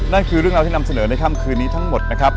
คือเรื่องราวที่นำเสนอในค่ำคืนนี้ทั้งหมดนะครับ